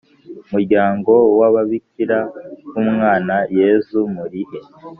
Muryango w Ababikira b Umwana Yezu murihe